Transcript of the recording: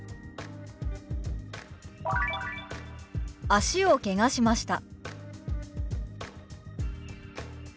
「脚をけがしました」。